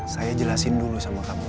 saya jelasin dulu sama kamu